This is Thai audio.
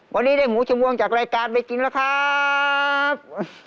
วันนี้ได้หมูชมวงจากรายการไปกินแล้วครับ